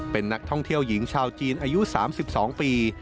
เป็นนักท่องเที่ยวหญิงชาวจีนอายุ๓๒ปี